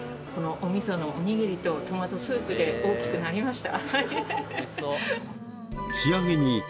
お味噌のおにぎりとトマトスープ出来上がりました。